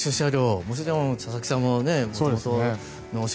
もちろん佐々木さんも元々のお仕事